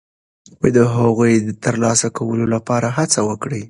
د هغوی د ترلاسه کولو لپاره هڅه وکړو.